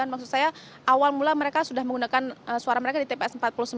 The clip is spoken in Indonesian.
maksud saya awal mula mereka sudah menggunakan suara mereka di tps empat puluh sembilan